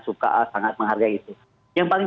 suka sangat menghargai itu yang paling